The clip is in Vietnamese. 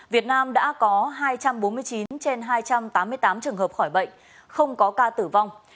việt nam đã có hai trăm bốn mươi chín trên hai trăm tám mươi tám trường hợp khỏi bệnh không có ca tử vong